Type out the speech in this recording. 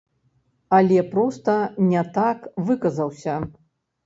Але проста не так выказаўся.